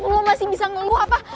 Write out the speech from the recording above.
lo masih bisa ngeluh apa